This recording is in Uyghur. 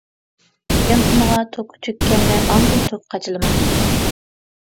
يانفونغا توكى تۈگىگەندە ئاندىن توك قاچىلىماڭ.